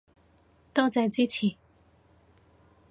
多謝支持